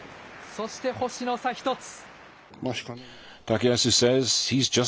そして星の差１つ。